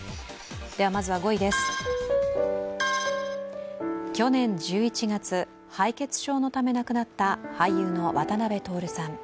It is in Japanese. まずは５位です、去年１１月、敗血症のため亡くなった俳優の渡辺徹さん。